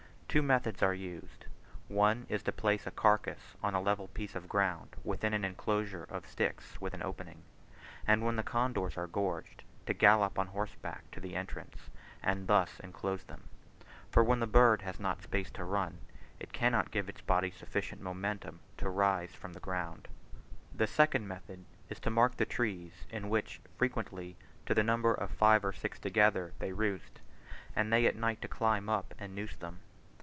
Two methods are used; one is to place a carcass on a level piece of ground within an enclosure of sticks with an opening, and when the condors are gorged to gallop up on horseback to the entrance, and thus enclose them: for when this bird has not space to run, it cannot give its body sufficient momentum to rise from the ground. The second method is to mark the trees in which, frequently to the number of five or six together, they roost, and they at night to climb up and noose them.